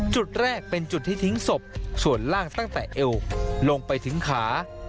จุดแรกเป็นจุดที่ทิ้งศพส่วนล่างตั้งแต่เอวลงไปถึงขา